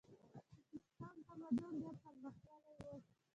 د سیستان تمدن ډیر پرمختللی و